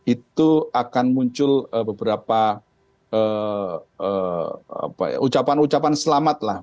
itu akan muncul beberapa ucapan ucapan selamat lah